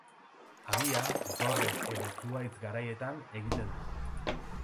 Habia dorre edo zuhaitz garaietan egiten du.